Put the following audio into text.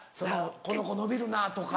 この子伸びるなとか。